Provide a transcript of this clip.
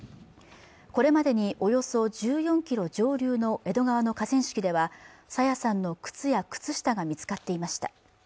これまでにおよそ１４キロ上流の江戸川の河川敷では朝芽さんの靴や靴下が見つかっていました